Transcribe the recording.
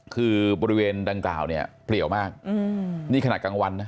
คือบริเวณดังกล่าวเนี่ยเปลี่ยวมากนี่ขนาดกลางวันนะ